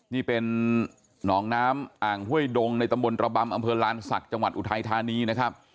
นี่เป็นหนองน้ำอ่างห้วยดงในตำบลระบำอำเภอลานศักดิ์จังหวัดอุทัยธานีนะครับ